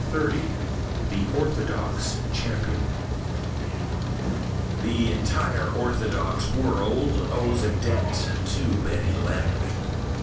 XXX THE ORTHODOX CHAMPION The entire orthodox world owes a debt to Benny Leonard.